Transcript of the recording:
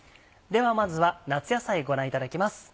ではまずは夏野菜ご覧いただきます。